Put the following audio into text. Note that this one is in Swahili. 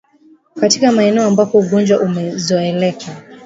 Katika maeneo ambapo ugonjwa umezoeleka